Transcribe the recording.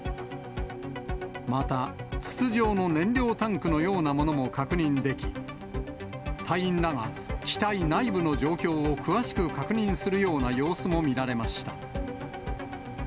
また、筒状の燃料タンクのようなものも確認でき、隊員らが機体内部の状況を詳しく確認するような様子も見られました。